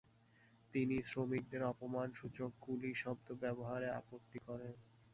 তিনি শ্রমিকদের অপমানসূচক "কুলি" শব্দ ব্যবহারে আপত্তি করেন।